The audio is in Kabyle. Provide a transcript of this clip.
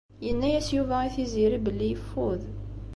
Yenna-as Yuba i Tiziri belli yeffud.